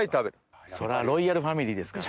そりゃロイヤルファミリーですから。